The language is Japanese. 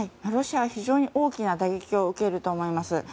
ロシアは非常に大きな打撃を受けると思います。